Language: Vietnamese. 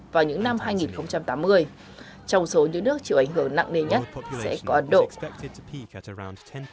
vào những năm hai nghìn tám mươi trong số những nước chịu ảnh hưởng nặng nề nhất sẽ có ấn độ